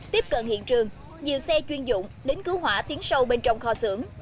tiếp cận hiện trường nhiều xe chuyên dụng lính cứu hỏa tiến sâu bên trong kho xưởng